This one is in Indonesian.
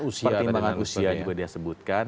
usia timbangan usia juga dia sebutkan